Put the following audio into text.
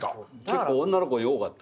結構女の子に多かった。